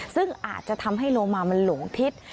ซึ่งอาจจะทำให้โลมามันหลงทิศ